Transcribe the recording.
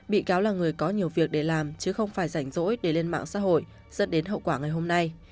bị cáo là người có nhiều việc để làm chứ không phải rảnh rỗi để lên mạng xã hội dẫn đến hậu quả ngày hôm nay